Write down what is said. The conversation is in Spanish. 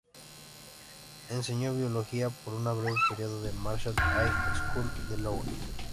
Enseñó biología por un breve periodo en el "Marshall High School" de Iowa.